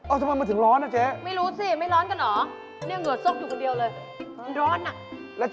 โอ๊ยถามจริงนี่ไม่รู้สึกเลยนะ